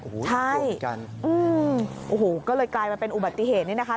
โอ้โหใช่โอ้โหก็เลยกลายมาเป็นอุบัติเหตุนี้นะคะ